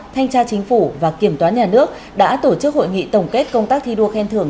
thanh tra chính phủ và kiểm toán nhà nước đã tổ chức hội nghị tổng kết công tác thi đua khen thưởng